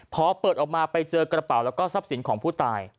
พอเปิดออกมาไปเจอกระเป๋าแล้วก็ทรัพย์สินของผู้ตาย